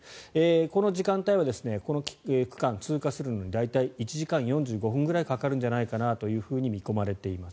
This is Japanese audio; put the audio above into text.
この時間帯はこの区間を通過するのに大体１時間４５分ぐらいかかるんじゃないかと見込まれています。